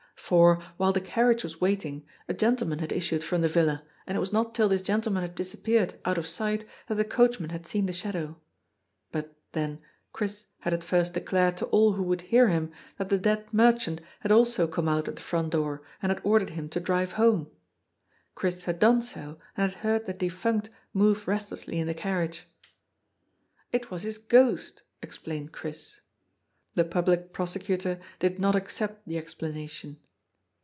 For, while the carriage was waiting, a gentleman had issued from the villa, and it was not till this gentleman had disappeared out of sight that the coachman had seen the shadow. But, then, Chris had at first declared to all who would hear him that the dead merchant had also come out at the front door and had ordered him to drive home. Chris had done so, and had lieard the defunct move restlessly in the carriage. '^ It was his ghost," explained Chris. The Public Prosecutor did not accept the explanation.